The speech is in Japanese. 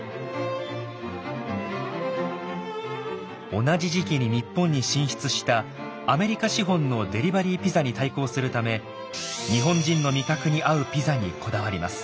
同じ時期に日本に進出したアメリカ資本のデリバリーピザに対抗するため日本人の味覚に合うピザにこだわります。